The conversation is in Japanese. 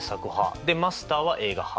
マスターは映画派。